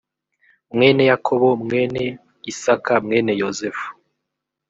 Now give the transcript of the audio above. mwene yakobo mwene isaka mwene yozefu